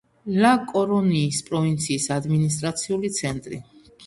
ლა-კორუნიის პროვინციის ადმინისტრაციული ცენტრი.